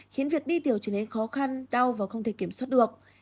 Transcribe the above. khiến việc đi tiểu trở nên khó khăn đau và không thể kiểm soát được